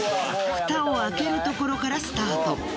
フタを開けるところからスタート。